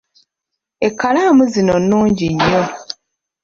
Ekkalaamu zino nnungi nnyo.